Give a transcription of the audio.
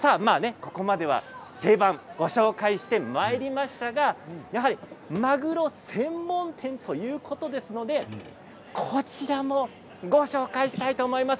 ここまでは定番をご紹介してまいりましたがやはりマグロ専門店ということですのでこちらも、ご紹介したいと思います。